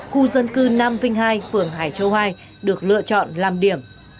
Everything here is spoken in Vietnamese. khu dân cư nam vinh hai phường hải châu hai được lựa chọn làm điểm